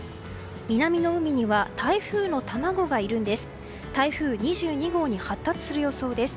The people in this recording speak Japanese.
南の海には台風の卵がいるんです。